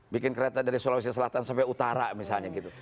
bikin kereta dari sulawesi selatan sampai utara misalnya gitu